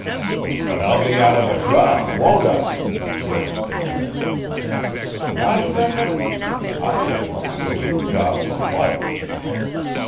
"But I'll be out of a job, won't I?" flared Phelan. "Not for a minute. I am going to give you a job for life."